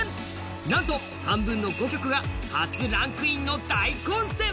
なんと半分の５曲が初ランクインの大混戦。